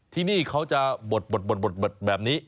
ที่นี่เขาจะบดแบบนี้